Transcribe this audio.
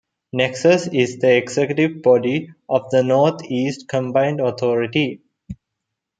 Nexus is an executive body of the North East Combined Authority.